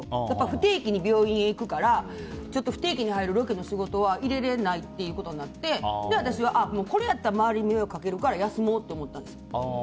不定期に病院に行くから不定期に入るロケの仕事は入れられないと思って私は、これやったら周りに迷惑かけるから休もうって思ったんです。